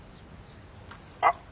あっ！